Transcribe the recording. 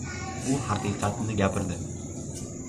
U haqiqatni gapirdi.